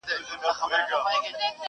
یوه برخه د پرون له رشوتونو!!